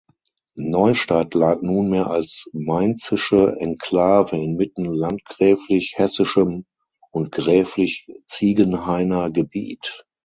Neustadt lag nunmehr als mainzische Enklave inmitten landgräflich-hessischem und gräflich-ziegenhainer Gebiet.